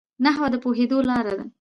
نحوه د پوهېدو لار ده.